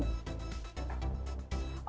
kalau melihat faktornya di lapangan informasi apa